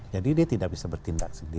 jadi dia tidak bisa bertindak sendiri